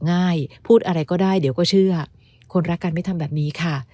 ง่ายพูดอะไรก็ได้เดี๋ยวก็เชื่อคนรักกันไม่ทำแบบนี้ค่ะ